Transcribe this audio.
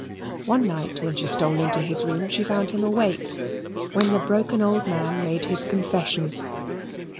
One night when she stole into his room, she found him awake, when the broken old man made his confession.